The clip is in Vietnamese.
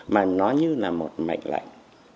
mà nó như là một mệnh lệnh